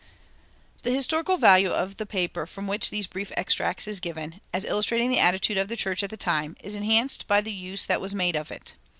"[272:1] The historical value of the paper from which these brief extracts are given, as illustrating the attitude of the church at the time, is enhanced by the use that was made of it.